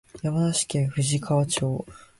山梨県富士川町